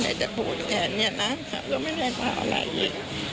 แม่จะพูดแค่นี้นะเขาก็ไม่ได้มาอะไรอีก